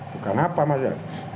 bukan apa mas ya